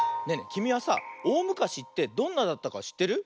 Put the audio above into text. きみはさおおむかしってどんなだったかしってる？